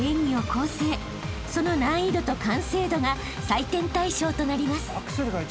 ［その難易度と完成度が採点対象となります］